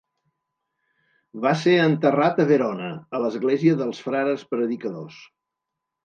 Va ser enterrat a Verona a l'església dels frares predicadors.